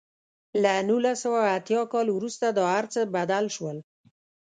له نولس سوه اتیا کال وروسته دا هر څه بدل شول.